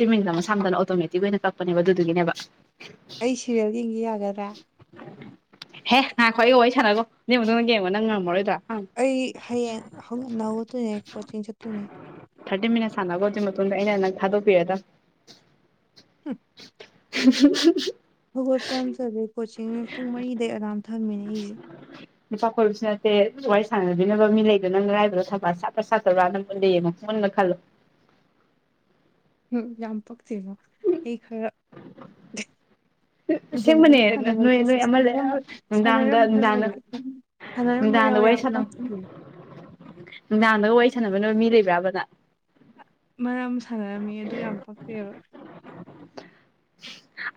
ꯇꯨꯃꯤꯅꯤ ꯃꯁꯥꯝꯗꯅ automatic ꯑꯣꯏꯅ ꯀꯛꯄꯅꯦꯕ ꯑꯗꯨꯗꯨꯒꯤꯅꯦꯕ ꯑꯩ ꯁꯤꯔꯒ ꯍꯤꯡꯒꯦ ꯌꯥꯒꯗ꯭ꯔꯥ ꯍꯦ ꯉꯥꯏꯈꯣ ꯑꯩ ꯋꯥꯔꯤ ꯁꯥꯟꯅꯒꯣ ꯅ ꯃꯇꯨꯡꯗ ꯌꯦꯡꯉꯣ ꯅꯪ ꯉꯝꯃꯔꯣꯏꯗ꯭ꯔꯥ ꯍꯪ ꯑꯩ ꯍꯌꯦꯡ ꯍꯧꯅꯒꯣꯠꯇꯣꯏꯅꯦ ꯀꯣꯆꯤꯡ ꯆꯠꯇꯣꯏꯅꯦ ꯊꯥꯔꯇꯤ ꯃꯤꯅꯠ ꯁꯥꯟꯅꯕ ꯍꯧꯒꯤ ꯃꯇꯨꯡꯗ ꯑꯩꯅꯟ ꯊꯥꯣꯛ ꯄꯦꯔꯥꯗ ꯍꯨꯝ [unintelligible] ꯍꯧꯒꯠꯄ ꯌꯥꯝꯖꯗꯩ ꯀꯣꯆꯤꯡ ꯄꯨꯡ ꯃꯔꯤꯗꯩ ꯑꯔꯥꯝ ꯊꯝꯃꯤꯅꯦ ꯑꯩꯁꯦ ꯅꯨꯄꯥ ꯀꯣꯏꯕꯁꯨ ꯅꯠꯇꯦ ꯋꯥꯔꯤ ꯁꯥꯟꯅꯕꯤꯅꯕ ꯃꯤ ꯂꯩꯗꯨꯅ ꯉ ꯂꯥꯏꯕꯗꯣ ꯊꯕ ꯁꯥꯠꯄ꯭ꯔꯥ ꯁꯥꯠꯇꯕ꯭ꯔꯥꯅ ꯃꯨꯟꯗ ꯌꯦꯡꯉꯣ ꯃꯨꯟꯒ ꯈꯜꯂꯣ ꯎꯝ ꯌꯥꯝ ꯄꯛ ꯣ ꯑꯩ ꯈꯔ ꯑꯁꯦꯡꯕꯅꯦ ꯅꯣꯏ ꯅꯣꯏ ꯑꯃ ꯂꯩ ꯁꯅꯔꯦ ꯅꯨꯡꯗꯥꯡꯗ ꯌꯥ ꯅꯨꯡꯗꯥꯡꯗ ꯁꯅꯔꯝꯕ ꯅꯨꯡꯗꯥꯡꯗ ꯌꯥꯎꯋꯦ ꯋꯥꯔꯤ ꯌꯥꯝ ꯄꯥ ꯁꯥꯟꯅꯕ [unintelligible] ꯒ ꯋꯥꯔꯤ ꯁꯥꯟꯅ ꯃꯤ ꯂꯩꯕ꯭ꯔꯥꯕ ꯅꯪ ꯃꯔꯝ ꯁꯥꯟꯅꯔꯝꯃꯤ ꯑꯗꯨ ꯌꯥꯝ ꯄꯛꯇꯦꯕ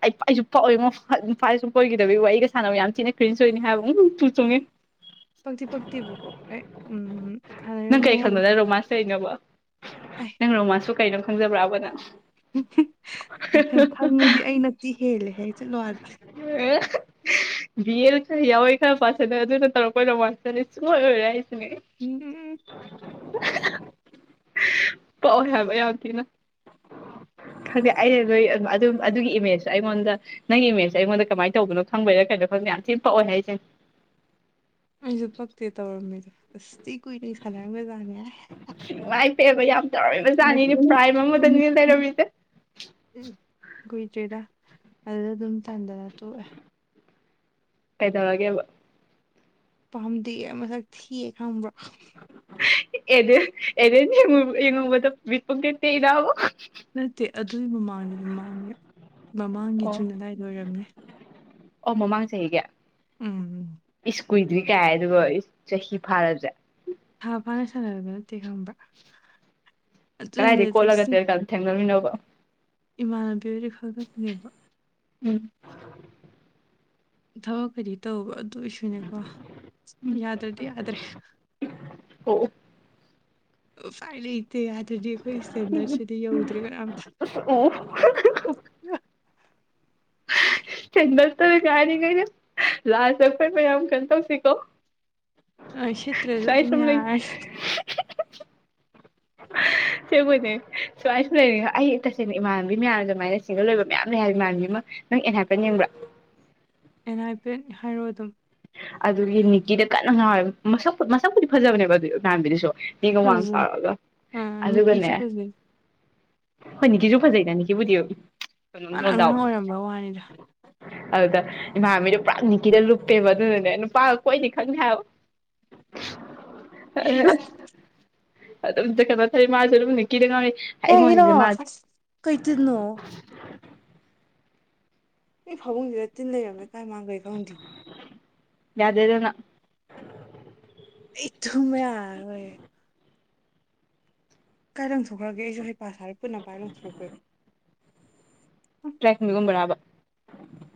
ꯑꯩ ꯑꯩꯁꯨ ꯄꯥꯛꯑꯣꯏ ꯉꯣ ꯅꯨꯄꯥꯥ ꯁꯦ ꯁꯨꯝ ꯀꯣꯏꯈꯤꯗꯕꯤ ꯋꯥꯔꯤꯒ ꯁꯥꯟꯅꯕ ꯌꯥꯝ ꯊꯤꯅ ꯀ꯭ꯔꯤꯅꯁ ꯑꯣꯏꯅꯤ ꯍꯥꯏꯕ ꯑꯃꯨꯨ ꯇꯨ ꯆꯨꯉꯦ ꯄꯪꯛꯇꯤ ꯄꯪꯛꯇꯦꯕꯨꯀꯣ ꯑꯩ ꯎꯝ ꯎꯝ ꯅꯪ ꯁꯥꯟꯅꯔꯝꯃꯦ ꯀꯩ ꯈꯪꯕꯗ ꯍꯥꯏꯔꯤꯁꯦ ꯔꯣꯃꯥꯟꯁ ꯀꯩꯅꯣꯕ ꯑꯩ ꯅꯪ ꯔꯣꯃꯥꯟꯁꯁꯨ ꯀꯩꯅꯣ ꯈꯪ ꯈꯪꯖꯕ꯭ꯔꯥꯕ ꯅꯪ ꯑꯩ ꯈꯪꯉꯗꯤ ꯑꯩꯩꯅꯄꯤ ꯍꯦꯜꯂꯦ ꯍꯥꯏ ꯆꯠꯂꯣ ꯍꯥꯏꯜꯂ ꯕꯤ ꯑꯦ ꯌꯥꯎꯋꯦ ꯈꯔ ꯄꯥꯠꯂꯦ ꯑꯗꯨꯅ ꯇꯧꯔꯛ ꯀꯣꯏꯔꯧ ꯃꯁꯤꯦ ꯁꯨꯡꯣꯏ ꯑꯣꯏꯔꯦ ꯍꯥꯏꯁꯤꯅꯦ ꯑꯩ ꯎꯝ ꯄꯛꯑꯣꯏ ꯍꯥꯏꯕ ꯌꯥꯝ ꯊꯤꯅ ꯐꯪꯖꯩ ꯑꯩꯩꯅ ꯂꯣꯏ ꯑꯗꯨꯝ ꯑꯗꯨꯒꯤ ꯏꯃꯦꯖꯁꯨ ꯑꯩꯉꯣꯟꯗ ꯅꯪꯒꯤ ꯏꯃꯦꯖꯇ ꯑꯩꯉꯣꯟꯗ ꯀꯃꯥꯏꯅ ꯇꯧꯕꯅꯣ ꯈꯪꯕꯩꯔꯥ ꯀꯩꯅꯣ ꯈꯪꯗꯦ ꯌꯥꯝ ꯊꯤꯅ ꯄꯛꯑꯣ ꯍꯥꯏꯁꯦ ꯑꯩꯁꯨ ꯄꯛꯇꯦ ꯇꯧꯔꯝꯃꯤꯗꯣ ꯑꯁ ꯁꯤ ꯀꯅ ꯁꯥꯟꯅ ꯃꯖꯥꯅꯦ ꯏꯃꯥꯏ ꯄꯦꯝꯃ ꯌꯥꯝ ꯇꯧꯔꯝꯃꯤꯕꯖꯥꯠꯅꯤꯅꯦ ꯄ꯭ꯔꯥꯏꯝ ꯑꯃꯗꯅꯤꯅꯦ ꯂꯩꯔꯝꯃꯤꯁꯦ ꯀꯨꯏꯗ꯭ꯔꯦꯗ ꯑꯗꯨꯗ ꯑꯗꯨꯝ ꯇꯥꯟꯗꯅ ꯇꯣꯛꯑꯦ ꯀꯩꯗ ꯋꯥꯒꯦꯕ ꯄꯥꯝꯗꯤꯒꯦ ꯃꯁꯛ ꯊꯤꯌꯦ ꯈꯪꯕ꯭ꯔꯥ ꯑꯦ ꯑꯦ ꯌꯦꯉ ꯌꯦꯉꯗꯄꯠꯇ ꯏꯗꯕꯣ ꯅꯠꯇꯦ ꯑꯗꯨꯏ ꯃꯃꯥꯡꯅꯤꯦ ꯃꯃꯥꯡꯉꯦ ꯃꯃꯥꯡꯒꯤ ꯑꯣ ꯖꯨꯟ ꯑꯗꯨꯗꯥꯏꯗ ꯑꯣꯏꯔꯝꯅꯦ ꯑꯣ ꯃꯃꯥꯡ ꯆꯍꯤꯒ ꯎꯝ ꯀꯨꯏꯗ꯭ꯔꯤ ꯀꯥꯏ ꯑꯗꯨꯒ ꯆꯍꯤ ꯐꯥꯔꯗ꯭ꯔꯦ ꯍꯥꯥ ꯄꯅꯦ ꯁ ꯂꯩꯕ ꯈꯪꯕ꯭ꯔꯥ ꯑꯗꯨ ꯀꯗꯥꯏꯗꯩ ꯀꯣꯠꯂꯒ ꯆꯠ ꯊꯦꯡꯅꯃꯤꯟꯅꯕ ꯏꯃꯥꯟꯅꯕꯤ ꯑꯣꯏꯗꯤ ꯈꯪꯗꯛꯄꯅꯦꯕ ꯎꯝ ꯊꯋꯥꯣ ꯈꯔꯤ ꯇꯧ ꯑꯗꯨ ꯑꯣꯏꯁꯨꯅꯦꯀꯣ ꯎꯝ ꯌꯥꯗ꯭ꯔꯗꯤ ꯌꯥꯗ꯭ꯔꯦ ꯑꯣ ꯐꯥꯏ ꯂꯩ ꯇꯦ ꯑꯗꯨꯗꯤ ꯑꯩꯈꯣꯏ ꯁꯇꯦꯟꯗꯔꯁꯤꯗꯤ ꯌꯧꯗ꯭ꯔꯦ ꯀꯅꯥꯝꯇ ꯑꯣ ꯏꯟꯗꯛꯇꯔ ꯀ‌ ꯍꯥꯏꯔꯤꯅꯤꯅꯦ ꯂꯥꯁꯇ ꯑꯈꫭꯏ ꯃꯌꯥꯝ ꯀꯟ ꯇꯧꯁꯤꯀꯣ ꯑꯩ ꯁꯤꯠꯇ꯭ꯔꯦꯖꯨ ꯁ꯭ꯋꯥꯏ ꯑꯗꯨꯝ ꯁꯨꯝ ꯂꯩ ꯌꯥꯔ ꯁꯦꯡꯕꯩꯅꯦ ꯁꯨꯃꯥꯏ ꯁꯨꯝ ꯂꯩꯅꯤꯡꯉꯦ ꯍꯥꯏ ꯑꯩ ꯇꯁꯦꯡꯅ ꯏꯃꯥꯟꯅꯕꯤ ꯃꯌꯥꯝ ꯑꯗꯨꯃꯥꯏꯅ ꯁꯤꯡꯒꯜ ꯑꯣꯏꯕ ꯃꯌꯥꯝ ꯂꯥꯩ ꯍꯥꯏꯕ ꯏꯃꯥꯟꯅꯕꯤ ꯑꯃ ꯅꯪ ꯑꯦꯟ ꯍꯥꯏꯄꯟ ꯌꯦꯡꯕ꯭ꯔꯥ ꯑꯦꯟ ꯑꯥꯏ ꯄꯦꯟ ꯍꯥꯏꯔꯣ ꯑꯗꯨꯝ ꯑꯗꯨꯒꯤ ꯅꯤꯀꯤꯗ ꯀꯟꯅ ꯉꯥꯎꯋꯦꯕ ꯃꯁꯛ ꯃꯁꯛꯄꯨꯗꯤ ꯐꯖꯕꯅꯦꯕ ꯑꯗꯨ ꯏꯃꯥꯟꯕꯤꯗꯨꯁꯨ ꯃꯤꯒ ꯋꯥꯡ ꯐꯖꯩ ꯆꯥꯎꯔꯒ ꯑꯥ ꯑꯗꯨꯒꯅꯦ ꯅꯤꯀꯤꯁꯨ ꯐꯖꯩ ꯍꯣꯏ ꯅꯤꯀꯤꯁꯨ ꯐꯖꯩꯗ ꯅꯤꯀꯤꯕꯨꯗꯤꯎ ꯃꯥꯅ ꯑꯉꯥꯡ ꯑꯣꯏꯔꯝꯕ ꯋꯥꯅꯤꯗ ꯑꯗꯨꯗ ꯏꯃꯥꯕꯤꯗꯨ ꯄꯨꯔꯥ ꯅꯤꯀꯤꯗ ꯂꯨꯞꯄꯦꯕ ꯑꯗꯨꯅ ꯅꯨꯄꯥꯒ ꯀꯣꯏꯅꯤ ꯈꯪꯗꯦ ꯍꯥꯏꯕ ꯑ ꯑꯁ [unintelligible] ꯑꯗꯨꯝ ꯀ ꯊꯔꯤ ꯃꯥꯖ ꯂ ꯀꯗꯤ ꯉꯝꯃꯦ [unintelligible] ꯀꯩꯒꯤꯅꯣ ꯀꯩ ꯇꯤꯟꯅꯣ ꯑꯩ ꯐꯥꯕꯨꯡꯁꯤꯗ ꯇꯤꯟ ꯂꯩꯔꯝꯃꯦ ꯀꯥꯏ ꯃꯥꯡꯒꯦ ꯈꯪꯗꯦ ꯌꯥꯗ꯭ꯔꯦꯗ ꯅꯪ ꯑꯩ ꯊꯨꯃꯦ ꯌꯥꯔꯔꯣꯌꯦ ꯀꯥꯏ ꯂꯪꯊꯣꯛꯈ꯭ꯔꯒꯦ ꯑꯩꯁꯨ ꯍꯩ ꯄ ꯁꯥꯔꯦ ꯄꯨꯟꯅꯄꯥꯏ ꯂꯪꯊꯣꯛꯈ꯭ꯔꯦ ꯇ꯭ꯔꯦꯛꯃꯤꯒꯨꯝꯕ꯭ꯔꯕ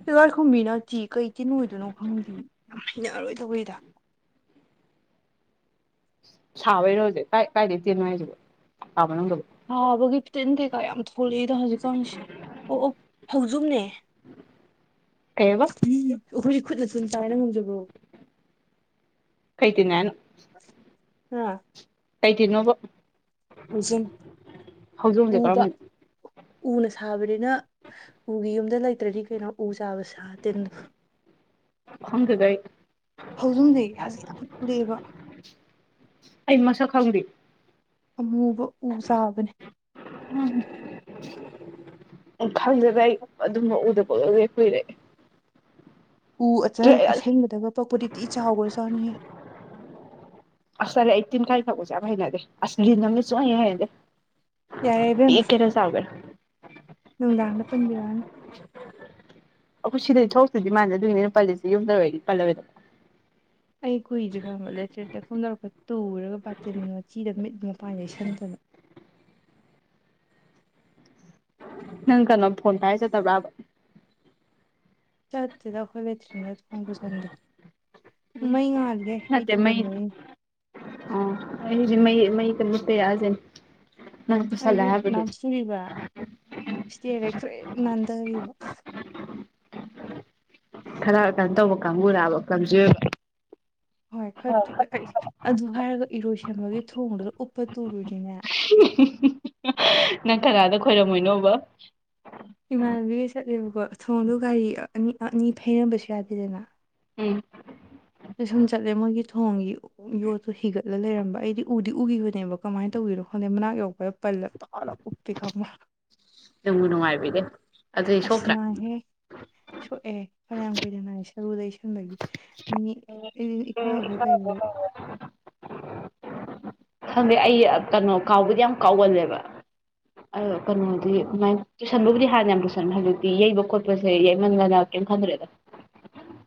ꯇꯤꯂꯦꯏꯈꯣꯝꯕꯤ ꯅ ꯀꯩ ꯇꯤꯜ ꯑꯣꯏꯗꯣꯏꯅꯣ ꯈꯪꯗꯦ [unintelligible] ꯆꯥꯕꯩꯔꯣ ꯊꯥꯕꯒꯤ ꯐꯈꯤꯇꯪ ꯀꯩꯀꯥ ꯌꯥꯝ ꯊꯣꯛꯂꯛꯏꯗꯣ ꯍꯧꯖꯤꯛꯀꯥꯟꯁꯤ ꯑꯣ ꯑꯣ ꯍꯧꯖꯨꯝꯅꯦ ꯎ ꯀꯩꯑꯕ ꯑꯩꯈꯣꯏꯒꯤ ꯈꯨꯠꯅ ꯊꯨꯅ ꯆꯥꯏꯅ ꯉꯝꯖꯕ꯭ꯔꯣ ꯀꯩꯀꯦ ꯍꯥꯏꯅ ꯑꯥ ꯀꯩ ꯀꯩꯅꯣꯕ ꯍꯧꯖꯨꯝ ꯎꯕ ꯀꯔꯝꯕꯅꯣ ꯎꯅ ꯁꯥꯕꯅꯤꯅ ꯎꯒꯤ ꯌꯨꯝꯗ ꯂꯩꯇ꯭ꯔꯗꯤ ꯀꯩꯅꯣ ꯎ ꯆꯥꯕ ꯁꯥ ꯇꯤꯟ ꯈꯪꯗꯦꯗ ꯑꯩ ꯐꯧꯖꯨꯝꯗꯤ ꯍꯖꯤꯛ ꯌꯥꯝ ꯊꯣꯂꯦꯕ ꯐꯪꯗꯦ ꯑꯃꯨꯕ ꯎ ꯆꯕꯅꯦ ꯎꯝ ꯎꯝ ꯈꯪꯗꯕ ꯑꯩ ꯑꯗꯨꯝꯕ ꯎꯗꯕ ꯀꯨꯏꯔꯑꯦ ꯑꯩ ꯎ ꯑꯆꯪ ꯑꯁꯦꯡꯕꯗꯒ ꯄꯛꯄꯗꯤ ꯇꯤ ꯆꯥꯎꯈ꯭ꯔ ꯆꯥꯅꯤꯡꯉꯦ ꯑꯁ ꯑꯩ ꯇꯤꯟ ꯀꯥꯏ ꯐꯒꯨꯁꯦꯥꯏꯩꯅꯗꯦ ꯑꯁ ꯂꯤꯜ ꯑꯃꯗꯤ ꯁꯨꯛꯍꯩ ꯍꯦꯛ ꯍꯩꯅꯗꯦ ꯌꯥꯏꯕꯦꯝ ꯄꯤꯛꯀꯦꯔꯥ ꯆꯥꯎꯒꯦꯔꯥ ꯅꯨꯡꯗꯥꯡꯗ ꯄꯟꯕꯌꯥ ꯑꯩꯈꯣꯏ ꯁꯤꯗꯗꯤ ꯊꯣꯛꯇꯨꯗꯤ ꯃꯥꯟꯅꯗꯒꯤꯅꯦꯄꯥ ꯂꯤꯁ ꯌꯨꯝꯗꯔ ꯑꯣꯏꯣꯏꯔꯗꯤ ꯄꯜꯂꯔꯣꯏꯗ ꯑꯩ ꯀꯨꯏꯗ꯭ꯔꯤ ꯈꯪꯕ꯭ꯔ ꯂꯩꯦꯇ꯭ꯔꯦꯗ ꯈꯨꯝꯝꯗꯔꯛꯄ ꯇꯨꯔꯒ ꯕꯥꯇꯤꯟ ꯃꯆꯤꯗ ꯃꯤꯠ ꯃꯄꯥꯟ ꯌꯩꯁꯟꯗꯅ ꯅꯪ ꯀꯅꯣ ꯐꯣꯟ ꯄꯥꯏ ꯆꯠꯏꯕ꯭ꯔ ꯕ ꯆꯠꯇꯦꯗ ꯑꯩꯈꯣꯏ [unintelligible] ꯃꯩ ꯉꯥ ꯅꯇꯦ ꯃꯩ ꯑꯣ ꯑꯩ ꯍꯧꯖꯤꯛ ꯃꯩ ꯃꯩ ꯃꯠꯇꯦ ꯌꯥꯖꯦꯟ ꯅꯪ ꯇꯨꯁꯂꯦ ꯑꯩꯗꯤ ꯍꯥꯏꯕꯗꯨ ꯏꯁꯇꯦꯌꯔꯗꯩ ꯈ꯭ꯔꯦ ꯅꯥꯅꯙꯔꯤꯕ ꯈꯔ ꯀꯩꯅꯣ ꯇꯧꯕ ꯀꯥꯡꯕꯨꯔꯕ ꯀꯥꯡꯖꯦ ꯍꯣꯏ ꯐꯠꯇꯨ ꯑꯩ ꯑꯗꯨ ꯍꯥꯏꯔꯒ ꯏꯔꯣꯏ ꯁꯦꯝꯕꯒꯤ ꯊꯣꯡꯗꯨꯗ ꯎꯞꯄ ꯇꯨꯔꯨꯏꯅꯤꯅꯦ ꯅꯪ ꯀꯅꯥꯗ ꯈꯣꯏꯔꯝꯃꯣꯏꯅꯣꯕ ꯏꯃꯥꯟꯅꯕꯤꯈꯩ ꯆꯠꯂꯦꯕꯀꯣ ꯊꯣꯡꯗꯣ ꯒꯥꯔꯤ ꯑꯅꯤ ꯑꯅꯤ ꯐꯩꯔꯝꯕꯁꯨ ꯌꯥꯗꯦꯗꯅ ꯎꯝ ꯑ ꯁꯨꯝ ꯆꯠꯂꯦ ꯃꯣꯏꯒꯤ ꯊꯣꯡꯒꯤ ꯌꯣꯠꯇꯣ ꯍꯤꯒꯠꯂ ꯂꯩꯔꯝꯕ ꯑꯩꯗꯤ ꯎꯗꯤ ꯎꯈꯤꯕꯅꯦꯕ ꯀꯃꯥꯏꯅ ꯇꯧꯕꯤꯅꯣ ꯈꯪꯗꯦ ꯃꯅꯥꯛ ꯌꯣꯛꯄꯗ ꯄꯜꯂ ꯇꯥꯜꯂꯞ ꯎꯞꯇꯦ ꯈꯪꯕ ꯅꯪꯨꯅꯅꯨꯡꯥꯏꯕꯤꯗ ꯑꯁ ꯅꯥꯍꯦ ꯁꯣꯛꯑꯦ ꯐꯅꯌꯥꯝ ꯀꯨꯏꯅ ꯅꯥꯏ ꯁꯔꯨꯗ ꯁꯟꯗꯒꯤ ꯎꯝ ꯀꯥꯏꯕꯣꯏ ꯀꯩꯕꫭꯏ ꯈꯪꯗꯦ ꯑꯩ ꯀꯩꯅꯣ ꯀꯥꯎꯕꯗꯤ ꯌꯥꯝ ꯀꯥꯎꯒꯜꯂꯦꯕ ꯑ ꯀꯩꯅꯣꯗꯤ ꯃꯥꯏ ꯇꯨꯏꯁꯟꯕꯕꯨꯗꯤ ꯍꯥꯟꯅ ꯌꯥꯝ ꯇꯨꯁꯟ ꯍꯧꯖꯤꯛꯇꯤ ꯌꯩꯕ ꯈꯣꯠꯄꯁꯦ ꯌꯩꯃꯟꯒꯅ ꯀꯩꯝ ꯈꯟꯗ꯭ꯔꯦꯗ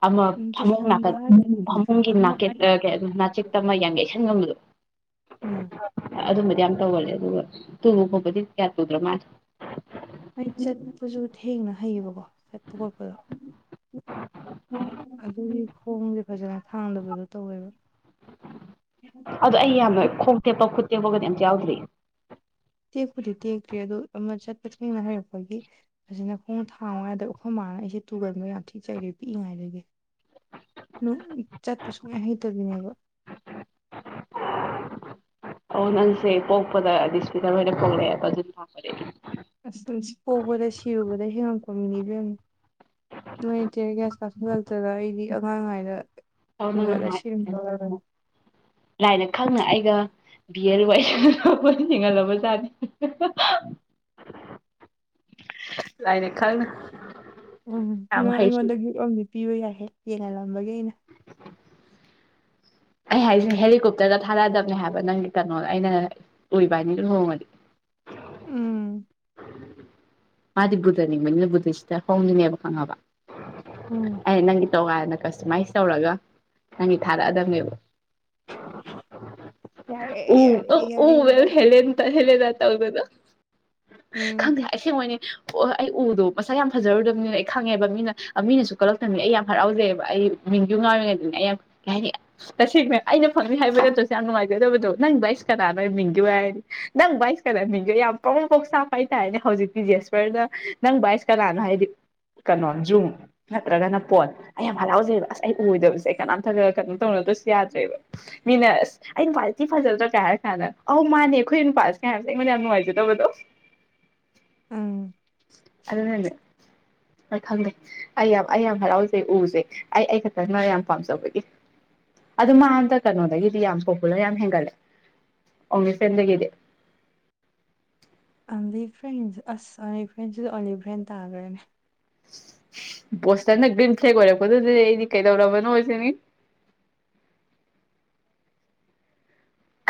ꯑꯃ ꯎꯝ ꯐꯃꯨꯡ ꯇꯨꯁꯟꯕ ꯅꯥꯀꯠ ꯍꯥꯏꯔꯒꯗꯤ ꯐꯃꯨꯡꯒꯤ ꯑꯃ ꯑꯩ ꯅꯥꯀꯦꯠꯇ ꯀ ꯅꯥꯆꯦꯛꯇ ꯑꯃ ꯌꯥꯝ ꯌꯩꯁꯟ ꯉꯝꯕꯗꯣ ꯎꯝ ꯑꯗꯨ ꯑꯗꯨ ꯃ ꯌꯥꯝ ꯇꯧꯒꯜꯂꯦ ꯑꯗꯨꯒ ꯇꯨꯕ ꯈꯣꯠꯄꯗꯤ ꯌꯥ ꯀꯗ꯭ꯔꯣ ꯃꯥ ꯑꯩ ꯆꯠꯄꯁꯨ ꯊꯦꯡꯅ ꯍꯩꯌꯦꯕꯀꯣ ꯆꯠꯄ ꯈꯣꯠꯄꯗꯣ ꯑꯗꯨꯒꯤ ꯈꯣꯡꯁꯦ ꯐꯖꯅ ꯊꯥꯡꯗꯕꯗꯣ ꯇꯧꯋꯦꯕ ꯑꯗꯨ ꯑꯩ ꯌꯥꯝꯅ ꯈꯣꯡ ꯇꯦꯛꯄ ꯈꯨꯠ ꯊꯦꯛꯄꯒꯗꯤ ꯑꯝꯇ ꯌꯥꯎꯗ꯭ꯔꯤ ꯇꯦꯛꯄꯨꯗꯤ ꯇꯦꯛꯇ꯭ꯦ ꯑꯗꯨꯗ ꯑꯃ ꯆꯠꯄ ꯊꯦꯡꯅ ꯍꯩꯔꯛꯄꯒꯤ ꯑꯁꯤꯅ ꯈꯣꯡ ꯊꯥꯡꯉꯥꯏꯗ ꯑꯩꯈꯣꯏ ꯃꯥꯟꯅ ꯑꯩꯁꯦ ꯇꯨꯒꯟꯕ ꯌꯥꯝ ꯊꯤ ꯆꯩꯔꯦ ꯄꯤꯛꯏꯉꯥꯏꯗꯒꯤ ꯑꯗꯨ ꯆꯠꯄ ꯁꯨꯡꯉꯥꯏ ꯍꯩꯇꯕꯤꯅꯦꯕ ꯑ ꯅꯪꯁꯦ ꯄꯣꯛꯄꯗꯗꯤꯁꯗꯔ ꯄꯣꯛꯦ ꯑꯗꯨ ꯊꯔꯦ ꯅꯤ ꯅꯣꯏ ꯏꯇꯦ ꯒ꯭ꯌꯥꯁ ꯀꯥꯞꯁꯤꯜꯂꯛꯇꯗ ꯑꯩꯗꯤ ꯑꯉꯥꯡꯉꯩꯗ ꯪꯅ ꯍꯥꯏ ꯂꯥꯏꯅ ꯈꯪꯅ ꯑꯩꯒ ꯕꯤ ꯑꯦꯔ ꯋꯥꯏꯁꯣꯏ ꯆꯤꯡꯉꯂꯕꯨ ꯆꯅꯤ ꯂꯥꯏꯔꯦꯛ ꯈꯪ ꯎꯝ ꯅꫭ ꯑꯩꯉꯣꯟꯗ ꯒꯤꯕ ꯑꯝꯗꯤ ꯄꯤꯕ ꯌꯥꯏꯍꯦ ꯌꯦꯡꯍꯜꯂꯝꯕꯒꯤ ꯑꯩꯅ ꯑꯩ ꯍꯥꯏꯁꯦ ꯍꯦꯂꯤꯀꯣꯞꯇꯔꯗ ꯊꯥꯔꯛꯑꯗꯕꯅꯦ ꯍꯥꯏꯕ ꯅꯪꯒꯤ ꯀꯩꯅꯣꯗ ꯑꯩꯅ ꯎꯏ ꯏꯕꯥꯅꯤ ꯂꯨꯍꫭꯡꯉꯗꯤ ꯎꯝ ꯃꯥꯗꯤ ꯕꯨꯙꯅꯤꯡꯕꯅꯤꯅ ꯕꯨꯙꯁꯤꯗ ꯍꯣꯡꯗꫭꯏꯅꯦꯕ ꯈꯪꯉꯕ ꯎꯝ ꯑꯩ ꯅꯪꯒꯤ ꯇꯣꯉꯥꯟꯅ ꯀꯁꯇꯃꯥꯏꯁ ꯇꯧꯔꯒ ꯅꯪꯒꯤ ꯊꯥꯔꯛꯑꯗꯕꯅꯦꯕ ꯌꯥꯔꯦ ꯎ ꯌꯥꯔꯦ ꯌꯥꯔꯦ ꯑꯣ ꯍꯂꯇ ꯍꯂ ꯅ ꯇꯧꯕꯗ ꯎꯝ ꯈꯪꯗꯦ ꯑꯩꯁꯦꯡ ꯃꯣꯏꯅꯤ ꯑꯣ ꯑꯩ ꯎꯗꯣ ꯃꯁꯥ ꯌꯥꯝ ꯐꯖꯔꯨꯗꯕꯅꯤꯅ ꯑꯩ ꯈꯪꯉꯦꯕ ꯃꯤꯅ ꯃꯤꯅꯁꯨ ꯀꯜꯂꯛꯇꯕꯅꯤ ꯑꯩ ꯌꯥꯝ ꯍꯔꯥꯎꯖꯩꯑꯕ ꯑꯩ ꯃꯤꯡꯒꯤ ꯉꯥꯏꯔꯤꯉꯩꯗꯅꯤ ꯑꯩ ꯌꯥꯝ ꯀꯩ ꯍꯥꯏꯅꯤ ꯇꯁꯦꯡꯅ ꯑꯩꯅ ꯐꯪꯅꯤ ꯍꯥꯏꯕ ꯅꯠꯇ꯭ꯔꯁꯨ ꯌꯥꯝ ꯅꯨꯡꯉꯥꯏꯖꯩꯗꯕꯗꯣ ꯅꯪꯕꯨ ꯑꯩꯁ ꯀꯅꯥꯅꯣ ꯃꯤꯡꯗꯣꯏ ꯍꯥꯏꯔꯗꯤ ꯅꯪ ꯕꯥ ꯑꯩꯁ ꯀꯅꯥꯅ ꯃꯤꯡꯗꯌ ꯌꯥꯝ ꯄꯥꯎꯅ ꯄꯣꯛ ꯁꯥꯄ ꯍꯥꯏꯇꯥꯔꯦꯅꯦ ꯍꯧꯖꯤꯛꯇꯤ ꯖꯦꯁꯔꯗ ꯅꯪ ꯑꯩꯁ ꯀꯅꯥꯅꯣ ꯍꯥꯏꯗꯤ ꯀꯩꯅꯣ ꯖꯨꯝ ꯅꯠꯇ꯭ꯔꯒꯅ ꯄꯣꯠ ꯑꯩ ꯌꯥꯝ ꯍꯔꯥꯎꯖꯩꯑꯕ ꯑꯁ ꯑꯩ ꯎꯗꯕꯁꯦ ꯑꯩ ꯀꯅꯥꯝꯇꯛꯒ ꯀꯩꯅꯣ ꯇꯧꯅꯗꯁꯨ ꯌꯥꯗ꯭ꯔꯦꯕ ꯃꯤꯅ ꯑꯁ ꯑ ꯁꯤ ꯐꯖꯗ꯭ꯔꯣ ꯀꯥꯏ ꯍꯥꯏꯔ ꯀꯥꯟꯗ ꯑꯧ ꯃꯥꯅꯦ ꯑꯩꯈꯣꯏ ꯅꯨꯄꯥꯁꯦ ꯀꯥꯏ ꯍꯥꯏꯁꯦ ꯑꯩꯉꯣꯟꯗ ꯌꯥꯝ ꯅꯨꯡꯉꯥꯏꯖꯗꯕꯗꯣ ꯎꯝ ꯑꯗꯨꯅꯂꯦ ꯍꯣꯏ ꯈꯪꯗꯦ ꯑꯩ ꯌꯥꯝ ꯑꯩ ꯌꯥꯝ ꯍꯔꯥꯎꯖꯩ ꯎꯁꯦ ꯑꯩ ꯑꯩ ꯈꯛꯇꯪꯅ ꯌꯥꯝ ꯄꯥꯝꯖꯕꯒꯤ ꯑꯗꯨ ꯃꯥ ꯑꯝꯇ ꯀꯩꯅꯣꯗꯒꯤꯗꯤ ꯌꯥꯝ ꯄꯣꯄꯨꯂꯔ ꯌꯥꯝ ꯍ ꯑꯣꯟꯂꯤ ꯐ꯭ꯔꯦꯟꯗꯒꯤꯗꯤ ꯑꫭꯟꯂꯤ ꯐ꯭ꯔꯦꯟꯁ ꯑꯁ ꯑꫭꯂꯤ ꯐ꯭ꯔꯦꯟꯁꯤꯁꯨ ꯑꯣꯂꯤ ꯐ꯭ꯔꯦꯟ ꯇꯥꯈ꯭ꯔꯦꯅꯦ ꯕꯣꯁꯇꯟꯅ ꯒ꯭ꯔꯤꯟ ꯐ꯭ꯂꯦꯛ ꯑꯣꯏꯔꯛꯄ ꯗꯨꯗꯤ ꯑꯩꯗꯤ ꯀꯩꯗꯧꯔꯕꯅꯣ ꯁꯤꯅꯤ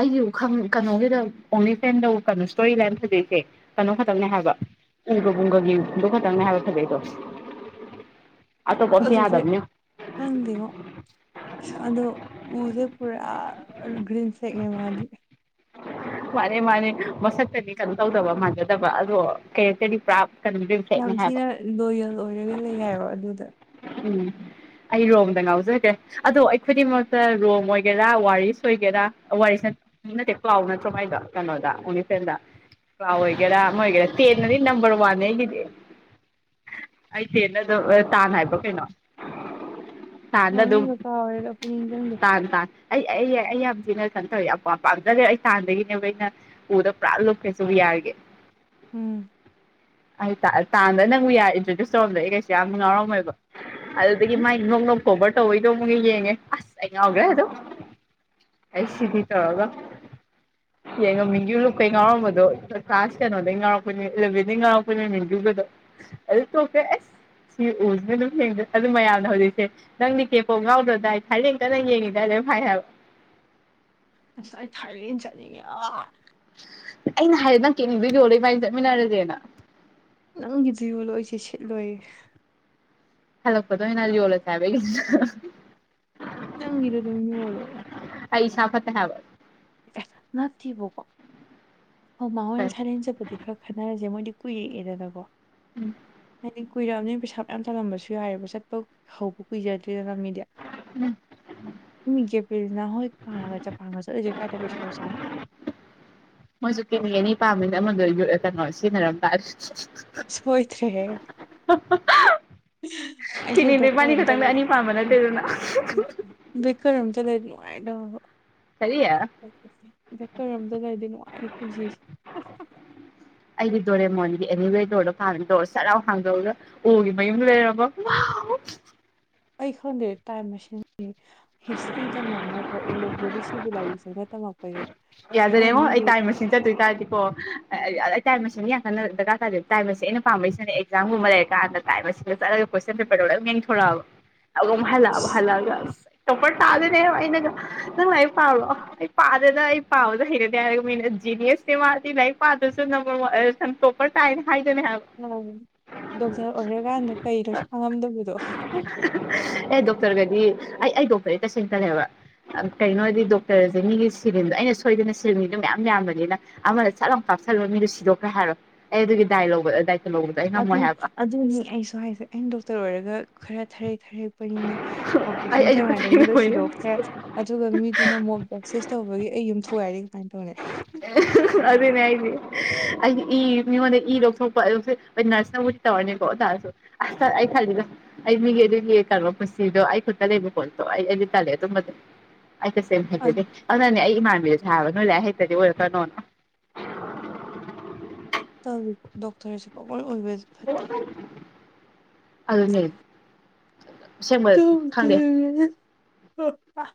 ꯑꯩꯒꯤ ꯎꯈꯪ ꯀꯩꯅꯣꯒꯤꯗ ꯑꯣꯡꯂꯤ ꯐ꯭ꯔꯦꯟꯗ ꯀꯩꯅꯣ ꯏꯁꯇꯣꯔꯤ ꯂꯩꯅ ꯐꯖꯩꯁꯦ ꯀꯩꯅꯣ ꯈꯛꯇꯪꯅꯦ ꯍꯥꯏꯕ ꯎꯒꯕꯨꯡꯒꯒꯤꯗ ꯈꯛꯇꯪꯅꯦ ꯍꯥꯏꯕ ꯐꯖꯩꯗꯣ ꯑꯇꯣꯞꯄ ꯑꯝꯇ ꯑꯗꯨꯔꯦ ꯌꯥꯗꯕꯅꯤ ꯐꯪꯗꯦꯉꯣ ꯑꯗꯣ ꯎꯁꯦ ꯄꯨꯔꯥ ꯒ꯭ꯔꯤꯟ ꯁꯦꯛꯅꯦ ꯃꯥꯜꯂꯤ ꯃꯥꯅꯦ ꯃꯥꯅꯦ ꯃꯁꯛꯇꯗꯤ ꯀꯩꯅꯣ ꯇꯧꯗꯕ ꯃꯥꯟꯖꯗꯕ ꯑꯗꯣ ꯀꯦꯔꯦꯛꯇꯗꯤ ꯄꯨꯔꯥꯞ ꯌꯥꯝ ꯊꯤꯅ ꯂꯣꯌꯦꯜ ꯑꯣꯏꯔꯒ ꯂꯩ ꯍꯥꯏꯏꯕ ꯑꯗꯨꯗ ꯎꯝ ꯑꯩ ꯔꯣꯝꯗ ꯉꯥꯎꯖꯈ꯭ꯔꯦ ꯑꯗꯣ ꯑꯩ ꯈꯨꯗꯤꯡꯃꯛꯇ ꯔꯣꯝ ꯑꯣꯏꯒꯦꯔꯥ ꯋꯥꯔꯤꯁ ꯑꯣꯏꯒꯦꯔꯥ ꯋꯥꯔꯤꯁ ꯅꯠꯇꯦ ꯀ꯭ꯂꯥꯎ ꯅꯠꯇ꯭ꯔꯣꯃꯥꯏꯗꯣ ꯀꯩꯅꯣꯗ ꯑꯣꯅꯤꯐꯦꯟꯗ ꯀꯥꯎ ꯑꯣꯏꯒꯦꯔꯥ ꯃ ꯑꯣꯏꯒꯦꯔꯥ ꯇꯦꯟꯅꯗꯤ ꯅꯝꯕꯔ ꯋꯥꯟꯅꯦ ꯑꯩꯒꯤꯗꯤ ꯑꯩ ꯇꯦꯟꯗ ꯑꯗꯨꯝ ꯇꯥꯟꯅ ꯍꯥꯏꯕ ꯀꯩꯅꯣ ꯇꯥꯟꯅ ꯑꯗꯨꯝ ꯃꯃꯤꯡꯒ ꯀꯥꯎꯔꯦꯗ ꯑꯩꯈꯣꯏ ꯅꯤꯡꯁꯤꯡꯗꯦ ꯇꯥꯟ ꯇꯥꯟ ꯑꯩ ꯑꯩ ꯑꯩ ꯌꯥꯝ ꯊꯤꯅ ꯈꯟ ꯇꯧꯋꯦ ꯌꯥꯝ ꯄꯥꯝꯖꯗꯦ ꯑꯩ ꯇꯥꯟꯗꯒꯤꯅꯦꯕ ꯑꯩꯅ ꯎꯗ ꯄꯨꯔꯥ ꯂꯨꯞꯈ꯭ꯔꯦꯁꯨ ꯎ ꯌꯥꯔꯒꯦ ꯎꯝ ꯑꯩ ꯇꯥꯟꯥꯟꯕꯗ ꯅꯪꯕꯨ ꯌꯥꯏꯟꯇ꯭ꯔꯣꯗ꯭ꯌꯨꯁ ꯇꯧꯔꯝꯗ ꯑꯩꯩꯦ ꯌꯥꯝ ꯉꯥꯎꯔꯝꯃꯣꯏꯕ ꯑꯗꯨꯗꯒꯤ ꯍꯨꯝ ꯃꯥꯥꯏ ꯅꯣ ꯅꯣ ꯀꯣꯕꯔ ꯇꯧꯕꯩꯗꯣ ꯑꯃꯨꯛꯒ ꯌꯦꯡꯉꯦ ꯑꯁ ꯑꯩ ꯉꯥꯎꯈ꯭ꯔꯦ ꯑꯗꯣ ꯑꯩ ꯁꯤꯗꯤ ꯇꯧꯔꯒ ꯌꯦꯡꯉ ꯃꯤꯡꯒꯤ ꯂꯨꯞꯄꯩ ꯉꯥꯎꯔꯝꯕꯗꯣ ꯀ꯭ꯂꯥꯁ ꯀꯩꯅꯣꯗꯩ ꯉꯥꯎꯔꯛꯄꯣꯏꯅꯤ ꯏꯂꯚꯦꯟꯗꯩ ꯉꯥꯎꯔꯛꯄꯣꯏꯅꯦ ꯃꯤꯡꯒꯤꯕꯗꯣ ꯑꯗꯨ ꯇꯣꯛꯈ꯭ꯔꯦ ꯑꯁ ꯁꯤ ꯎꯁꯤꯅꯦ ꯑꯗꯨꯝ ꯑꯗꯨ ꯃꯌꯥꯝꯅ ꯍꯧꯖꯤꯛꯁꯦ ꯅꯪ ꯀꯦꯄꯣꯛ ꯉꯥꯎꯗ꯭ꯔꯣꯗꯥꯏ ꯊꯔꯦꯡꯇꯅ ꯌꯦꯡꯉꯤꯗꯏ ꯂ ꯐꯥꯏ ꯍꯥꯏꯕ ꯉꯁꯥꯏ ꯑꯩ ꯊꯥꯏꯂꯦꯟ ꯆꯠꯅꯤꯡꯉꯦ ꯑꯩꯅ ꯍꯥꯏꯌꯦ ꯅꯪ ꯀꯦꯅꯤꯡꯗꯣꯏ ꯌꯣ ꯂꯩ ꯏꯃꯥꯏꯅ ꯆꯠꯃꯤꯟꯅꯔꯁꯦꯅ ꯅꯪꯒꯤ ꯕꯣꯂꯣꯏꯁꯦ ꯁꯤꯠꯂꯣꯏ ꯍꯜꯂꯣ ꯀꯗꯣꯃꯤꯅ ꯌ ꯑꯣꯂꯣ ꯁꯥꯕ ꯅꯪꯒꯤꯗꯣ ꯑꯗꯨꯝ ꯌꯣꯜꯂꯣ ꯀꯩ ꯁꯥꯥ ꯐꯠꯇ ꯍꯥꯏꯕ ꯅꯠꯇꯦꯕ ꯀꯣ ꯍꯣ ꯃꯣꯏꯅ ꯊꯥꯔꯦꯟ ꯆꯠꯄꯗꯤ ꯈꯔ ꯈꯟꯅꯔꯁꯦ ꯃꯣꯏꯗꯤ ꯀꯨꯏꯌꯦꯛꯑꯦꯗꯅꯀꯣ ꯎꯝ ꯍꯩꯅ ꯀꯨꯏꯔꯛꯑꯕꯅꯤꯅ ꯄꯩꯁꯥ ꯃꯌꯥꯝ ꯆꯜꯂꯝꯕꯁꯨ ꯌꯥꯏꯑꯦꯕ ꯆꯠꯄ ꯍꯧꯕ ꯀꯨꯏꯖꯗꯦ ꯝꯗ ꯃꯤꯒꯤꯦ ꯎꯝ ꯅ ꯍꯣꯏ ꯄꯥꯉꯒ ꯆꯄꯥꯟꯒ ꯆꯠꯂꯂꯤꯁꯦ ꯀꯥꯏꯗ ꯄꯩꯁꯥ ꯆꯥꯅꯣ ꯃꯣꯏꯁꯨ ꯀꯤꯅꯤ ꯑꯅꯤ ꯄꯥꯝꯃꯤꯅ ꯑꯃꯗꯣ ꯀꯩꯅꯣ ꯁꯤꯖꯤꯟꯅꯔꯝꯕ ꯁꯣꯏꯗ꯭ꯔꯦꯍꯦ ꯑꯩꯁꯨ ꯀꯦꯛꯅꯤꯗꯣ ꯕꯦꯀꯔ ꯏꯕꯥꯅꯤ ꯑꯝꯇ ꯈꯛꯇꯪꯗ ꯂꯩ ꯑꯅꯤ ꯄꯥꯝꯕ ꯅꯠꯇꯦꯗꯅ ꯕꯦꯀꯔ ꯑꯝꯇ ꯂꯩꯔ ꯥꯏꯗꯣ ꯀꯔꯤ ꯀꯔꯝꯗꯒꯗꯤ ꯅꯨꯡꯉꯥꯏꯔꯤ ꯄꯨꯟꯁꯤꯁꯦ ꯑꯦꯅꯤ ꯋꯦꯗꯧꯔꯣ ꯐ ꯇꯧꯔ ꯆꯔꯥꯎ ꯍꯥꯡꯗꯣꯛꯔꯒ ꯎꯒꯤ ꯃꯌꯨꯝꯗꯣ ꯂꯩꯔꯕꯣ ꯑꯩ ꯈꯪꯗꯦ ꯇꯥꯏꯝ ꯃꯗꯤ ꯍꯤꯁꯇ꯭ꯔꯤ ꯃꯣ ꯏꯟꯁ ꯦꯂꯤꯁꯤꯕ ꯂꯩꯥꯏ ꯁꯦ ꯇꯃ ꯌꯥꯗꯔꯦꯡꯉꯣ ꯑꯩ ꯇꯥꯏ ꯃꯁꯤꯡ ꯆꯠꯇꯣꯏ ꯇꯥꯔꯗꯤꯀꯣ ꯑꯩ ꯇꯥꯏ ꯃꯁꯤꯡ ꯀꯣꯏꯟ ꯌꯥ ꯀꯟꯅ ꯗꯔꯀꯥ ꯇꯥꯔꯗꯤ ꯇꯥꯏꯝꯁ ꯑꯩꯅ ꯄꯥꯝꯝꯕꯩꯁꯤꯅꯦ ꯑꯦꯛꯖꯥꯝꯒꯨꯝꯕ ꯂꯩꯔ ꯀꯥꯟꯗ ꯇꯥꯏꯝ ꯑꯁꯤꯁꯤꯗ ꯆꯠꯂꯒ ꯀꯣꯏꯁꯟ ꯄꯦꯄꯔꯗꯔꯣꯏꯝ ꯌꯦꯊꯣꯔꯛꯑꯕ ꯑꯗꯨꯝ ꯍꯜꯂꯛꯕ ꯍꯜꯂꯛꯑꯥꯒꯥ ꯑꯁ ꯇꫭꯄꯔ ꯇꯥꯗꫭꯏꯅꯦꯕ ꯑꯩꯅꯒ ꯅꯪꯅ ꯄꯥꯕꯔꯣ ꯑꯩ ꯄꯗꯤꯌꯦ ꯗ [unintelligible] ꯄꯥꯕꯗꯨ ꯍꯩꯅꯗꯦ ꯍꯥꯏꯒ ꯃꯤꯅ ꯖꯤꯅꯤꯌꯁꯅꯦ ꯃꯥꯗꯤ ꯂꯥꯏꯔꯤꯛ ꯄꯥꯗ꯭ꯔꯁꯨ ꯇꯣꯄꯔ ꯇꯥꯏꯅ ꯍꯥꯏꯗꫭꯏꯅꯦ ꯍꯥꯏꯕ ꯗꯣꯛꯇꯔ ꯑꯣꯏꯔꯀꯥꯟꯗ ꯀꯩꯅꯣ ꯁꯤ ꯈꯪꯉꯝꯗꯕꯗꯣ ꯗꯣꯛꯇꯔꯒꯗꯤ ꯑꯩ ꯑꯩ ꯗꯣꯛꯇꯔꯦ ꯇꯁꯦꯡꯅꯔꯦꯕ ꯀꯔꯤꯩꯅꯣ ꯍꯥꯏꯗꯤ ꯗꯣꯛꯇꯔꯁꯦ ꯃꯤꯒꯤ ꯁꯤꯔꯤꯟꯗꯣ ꯑꯩꯅ ꯁ ꯁꯣꯏꯗꯅ ꯁꯤꯜꯃꯤꯗꯨꯣ ꯃꯌꯥꯝ ꯌꯥꯝꯕꯅꯤꯅ ꯑꯃꯗ ꯆꯠꯂꯝꯣ ꯀꯥꯞꯁꯤꯜꯂꯒ ꯃꯤꯗꯨ ꯁꯤꯗꯣꯛꯈ꯭ꯔꯦ ꯍꯥꯏꯔꯣ ꯑꯩ ꯑꯗꯨꯒꯤ ꯗꯥꯏ ꯂꯧꯕꯗꯣꯗꯥꯏ ꯑꯗꯨ ꯑꯗꯨꯅꯤ ꯑꯩꯁꯨ ꯍꯥꯏꯁꯦ ꯑꯩꯅ ꯗꯣꯛꯇꯔ ꯑꯣꯏꯔꯒ ꯈꯔ ꯐꯔꯦ ꯊꯔꯦꯛꯄꯅꯤꯅ ꯑꯩ ꯑꯣꯄꯔꯦꯁꯟ ꯑꯩꯁꯨ ꯆꯪꯉꯥꯏꯗ ꯃꯤꯗꯣ ꯈꯨꯠꯊꯦꯡꯅꯕꯅꯦ ꯁꯤꯗꯣꯛꯈ꯭ꯔꯦ ꯑꯗꯨꯒ ꯃꯤꯗꯨꯅ ꯃꯣꯞ ꯁ ꯇꯧꯕꯒꯤ ꯑꯩ ꯌꯨꯝ ꯊꯒꯥꯏꯔꯤ ꯀꯃꯥꯏꯅ ꯇꯧꯅꯤ ꯑꯗꯨꯅꯦ ꯑꯩꯗꯤ ꯑꯩꯗꯤ ꯏ ꯃꯤꯉꯣꯟꯗ ꯏ ꯂꯧꯊꯣꯛꯄ ꯑꯗꯨ ꯑꯩ ꯅꯔꯁꯅꯕꯨꯗꯤ ꯇꯧꯔꯅꯤꯀꯣ ꯑꯣꯇꯥꯥꯔꯁꯨ ꯑꯁ ꯑꯩ ꯈꯜꯂꯤꯗ ꯑꯩ ꯃꯤꯒꯤ ꯑꯗꯨꯒꯤ [unintelligible] ꯄꯨꯟꯁꯤꯗꯣ ꯑꯩ ꯈꯨꯠꯇ ꯂꯩꯕꯀꯣꯠꯇꯣ ꯑꯩ ꯑꯩꯗꯤ ꯇꯜꯂꯦ ꯑꯗꯨꯝꯕ ꯑꯗꯨꯃꯥꯗꯤ ꯑꯩ ꯇꯥꯁꯦꯡ ꯐꯖꯗ‌ꯦ ꯍꯩꯕꯒꯤ ꯑꯗꯨꯅꯅꯦ ꯑꯩ ꯏꯃꯥꯟꯕꯤꯗ ꯊꯥꯕꯗꯨ ꯅꫭꯏ ꯂꯥꯏꯔꯤꯛ‌ ꯍꯩꯇ꯭ꯔꯗꯤ ꯑꯣꯏꯔꯛ ꯀꯅꯣꯅ ꯗꯣꯛꯔꯁꯤꯀꫭ ꯑꯣꯏꯕꯁꯨ ꯐꯠꯇꯦ ꯑꯗꯨ ꯁꯦꯡꯃ ꯇꯧꯗꯦ꯫ ꯈꯪꯗꯦ [unintelligible]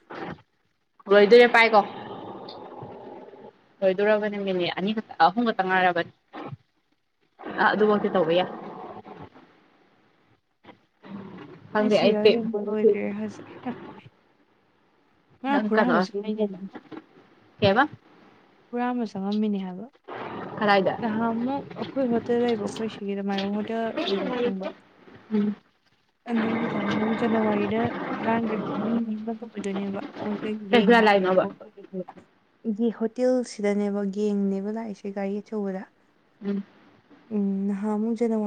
ꯂꯣꯏꯗꯣꯏꯔꯦ ꯄꯥꯏꯀꯣ ꯂꯣꯏꯗꯣꯔꯕꯅꯦ ꯃꯤꯅꯤꯠ ꯑꯅꯤ ꯈꯛꯇ ꯑꯍꯨꯝ ꯈꯛꯇꯪ ꯉꯥꯏꯔꯕꯅꯤ ꯑ ꯑꯗꯨꯃꯛꯇꯤ ꯇꯧꯕ ꯌꯥꯏ ꯑꯩ ꯁꯤꯔꯦꯜ ꯌꯦꯡꯕ ꯂꯣꯏꯔꯦ ꯍꯧꯖꯤꯛ ꯑ ꯈꯔꯥ ꯑꯃꯁꯁꯅꯦ ꯀꯦꯕ ꯄꯨꯔꯥ ꯑꯃ ꯆꯪꯉꯝꯃꯤꯅꯦ ꯍꯥꯏꯕ ꯀꯗꯥꯏꯗ ꯍꯥ ꯃꯨ ꯑꯩꯈꯣꯏ ꯍꯣꯠꯇꯦꯜ ꯂꯩꯕꯈꯣꯏꯁꯤ [inaudible] ꯈꯪꯕ ꯎꯝ ꯑꯗꯨꯒꯤꯗ ꯖꯅꯋꯥꯔꯤ ꯗ ꯂꯥꯡꯈ꯭ꯔꯦꯕ ꯃꯤ ꯑꯃꯛꯇ ꯑꯣꯏꯗꯣꯏꯅꯦꯕ ꯃꯣꯏꯁꯦ ꯀꯩꯁꯨ ꯌꯦꯡ ꯂꯥꯏꯅꯣꯕ ꯂꯥꯛꯑꯦꯕ ꯑꯩꯒꯤ ꯍꯣꯇꯦꯜꯁꯤꯗꯅꯦꯕ ꯅ‌ꯦꯡꯅꯦꯕ ꯂꯥꯛꯏꯁꯦ ꯒꯥꯔꯤ ꯑꯆꯧꯕꯗ ꯎꯝ ꯎꯝ ꯅꯍꯥꯟꯃꯨꯛ ꯖꯅꯋꯥꯔꯤꯗ